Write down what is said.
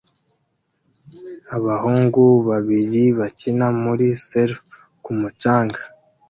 Abahungu babiri bakina muri serf ku mucanga